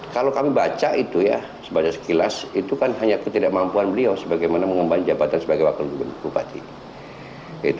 kalau kami baca itu ya sebanyak sekilas itu kan hanya ketidakmampuan beliau bagaimana mengembalikan jabatan sebagai wakil lumpati